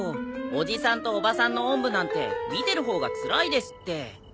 おじさんとおばさんのおんぶなんて見てるほうがつらいですって。